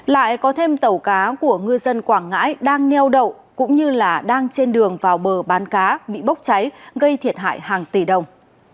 lại có thêm tàu cá của ngư dân quảng ngãi đang neo đậu cũng như là đang trên đường vào bờ bán cá bị bốc cháy gây thiệt hại hàng tỷ đồng